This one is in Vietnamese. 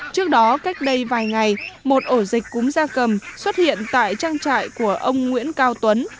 trước đó cách đây vài ngày một ổ dịch cúm da cầm xuất hiện tại trang trại của ông nguyễn cao tuấn